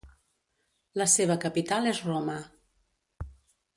La seva capital és Roma.